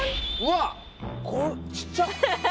これちっちゃ。